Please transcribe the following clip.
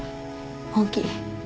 本気。